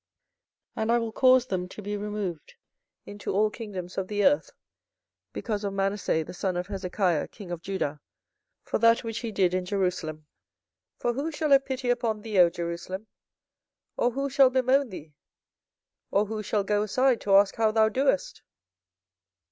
24:015:004 And I will cause them to be removed into all kingdoms of the earth, because of Manasseh the son of Hezekiah king of Judah, for that which he did in Jerusalem. 24:015:005 For who shall have pity upon thee, O Jerusalem? or who shall bemoan thee? or who shall go aside to ask how thou doest?